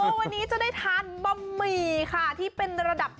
โอ้โฮอาหมอยใบตองวันนี้จะได้ทานบะหมี่ค่ะที่เป็นระดับ